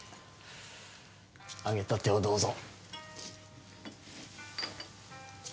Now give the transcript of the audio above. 揚げたてをどうぞ。